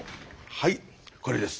はいこれです。